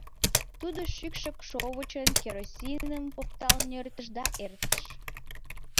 Тудо шӱкшӧ шовычыш керосиным оптал нӧртыш да эрыктыш.